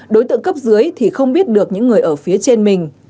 đối tượng cấp dưới thì không biết được những người ở phía trên mình